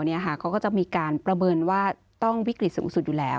เขาก็จะมีการประเมินว่าต้องวิกฤตสูงสุดอยู่แล้ว